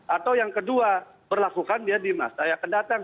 atau yang kedua berlakukan dia di masa yang kedatang